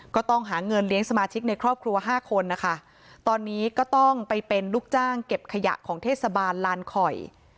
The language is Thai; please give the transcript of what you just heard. ก็ต้องหาเงินเลี้ยงสมาชิกในครอบครัวห้าคนนะคะตอนนี้ก็ต้องไปเป็นลูกจ้างเก็บขยะของเทศบาลลานคอย